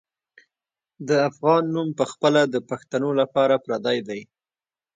د افغان نوم پخپله د پښتنو لپاره پردی دی.